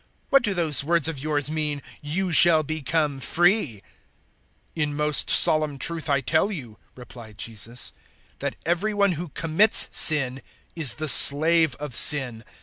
What do those words of yours mean, `You shall become free'?" 008:034 "In most solemn truth I tell you," replied Jesus, "that every one who commits sin is the slave of sin.